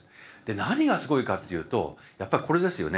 何がすごいかっていうとやっぱりこれですよね。